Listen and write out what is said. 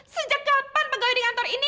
sejak kapan pegawai di kantor ini